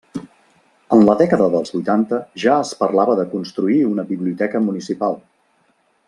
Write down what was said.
En la dècada dels vuitanta ja es parlava de construir una biblioteca municipal.